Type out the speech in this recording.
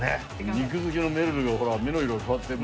肉好きのめるるが目の色変わってる。